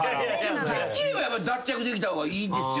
できれば脱着できた方がいいですよね。